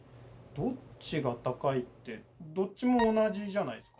どっちが高いってどっちも同じじゃないですか？